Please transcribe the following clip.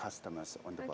untuk pelanggan di bus